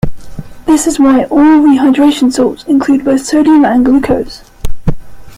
This is why oral rehydration salts include both sodium and glucose.